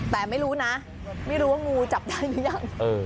แต่ไม่รู้นะไม่รู้ว่างูจับได้หรือยัง